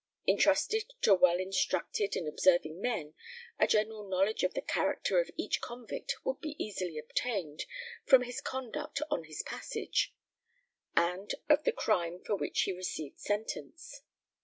Entrusted to well instructed and observing men, a general knowledge of the character of each convict could be easily obtained from his conduct on his passage, and of the crime for which he received sentence.